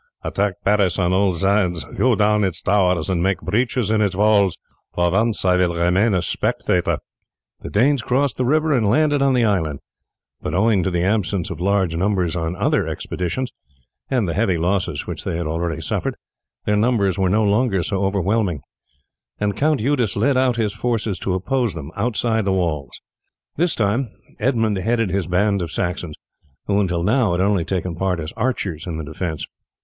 Attack Paris on all sides, hew down its towers, and make breaches in its walls; for once I will remain a spectator." The Danes crossed the river and landed on the island, but owing to the absence of large numbers on other expeditions, and the heavy losses which they had suffered, their numbers were no longer so overwhelming, and Count Eudes led out his forces to oppose them outside the walls. This time Edmund headed his band of Saxons, who until now had only taken part as archers in the defence.